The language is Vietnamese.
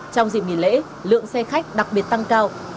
trong dịp nghỉ lễ lượng xe khách đặc biệt tăng cao